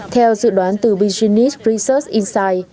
theo dự đoán từ virginia research insight